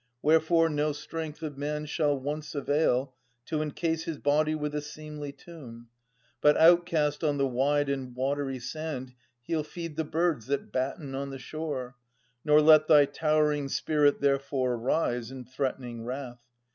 Wherefore no strength of man shall once avail To encase his body with a seemly tomb. But outcast on the wide and watery sand, He'll feed the birds that batten on the shore. Nor let thy towering spirit therefore rise In threatening wrath.